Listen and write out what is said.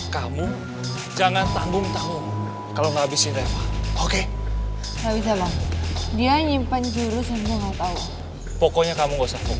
kamu jangan tanggung tahu kalau ngabisin oke dia nyimpan jurus pokoknya kamu